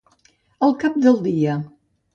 Al cap del dia.